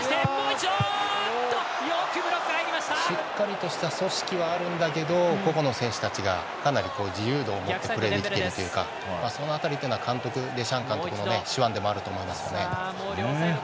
しっかりとした組織はあるんだけどここの選手たちが、かなり自由度を持ってプレーできているというかそのあたりというのはデシャン監督の手腕でもあると思いますね。